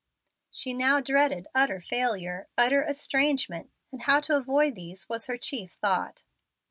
She now dreaded utter failure, utter estrangement, and how to avoid these was her chief thought.